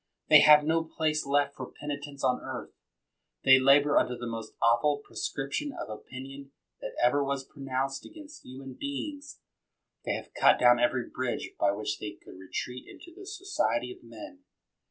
They have no place left for peni tence on earth. They labor under the most awful proscription of opinion that ever was pro nounced against human beings. They have cut down every bridge by which they could retreat into the society of men.